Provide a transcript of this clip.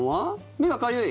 目がかゆい？